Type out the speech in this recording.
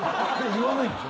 言わないんでしょ。